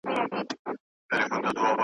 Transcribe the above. د خټین او د واورین سړک پر غاړه .